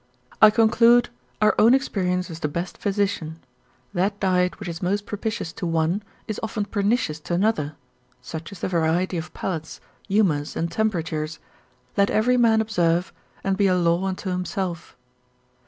I conclude our own experience is the best physician; that diet which is most propitious to one, is often pernicious to another, such is the variety of palates, humours, and temperatures, let every man observe, and be a law unto himself.